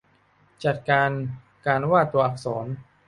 จัดการการวาดตัวอักษร